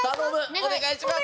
お願いします！